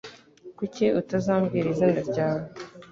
Kuki utazambwira izina ryawe